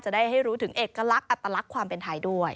ได้ให้รู้ถึงเอกลักษณ์อัตลักษณ์ความเป็นไทยด้วย